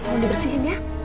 tolong dibersihin ya